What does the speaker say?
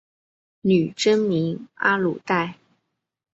女真名阿鲁带。